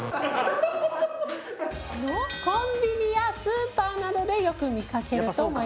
コンビニやスーパーなどでよく見かけると思います。